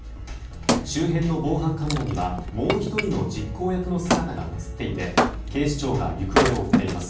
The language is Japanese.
周辺の防犯カメラにはもう１人の実行役の姿が映っていて警視庁が行方を追っています。